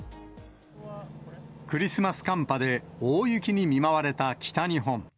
クリスマス寒波で、大雪に見舞われた北日本。